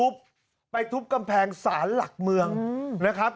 ไปทุบกำแพงศาลหลักเมืองนะครับ